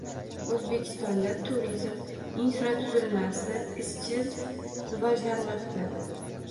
O‘zbekistonda turizm infratuzilmasi izchil rivojlanmoqda